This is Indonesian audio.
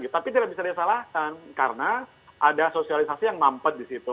tapi tidak bisa disalahkan karena ada sosialisasi yang mampet di situ